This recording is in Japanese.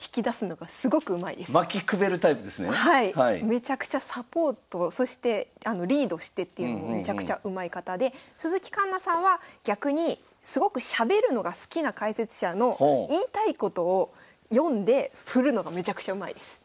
めちゃくちゃサポートそしてリードしてっていうのがめちゃくちゃうまい方で鈴木環那さんは逆にすごくしゃべるのが好きな解説者の言いたいことを読んで振るのがめちゃくちゃうまいです。